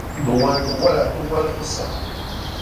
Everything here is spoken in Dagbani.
di wandi wala di walibu saha.